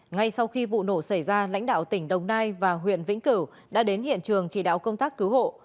ngay sau khi vụ nổ xảy ra lãnh đạo tỉnh đồng nai và huyện vĩnh cửu đã đến hiện trường chỉ đạo công tác cứu hộ